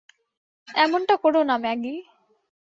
এমনটা কোরো না, ম্যাগি!